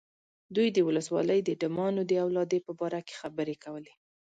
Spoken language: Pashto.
دوی د ولسوالۍ د ډمانو د اولادې په باره کې خبرې کولې.